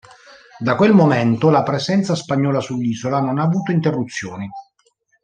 Da quel momento la presenza spagnola sull'isola non ha avuto interruzioni.